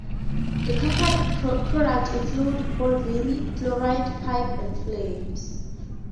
The Company's products include polyvinyl chloride pipes and films.